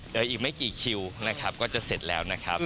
เดี๋ยวอีกไม่กี่คิวนะครับก็จะเสร็จแล้วนะครับ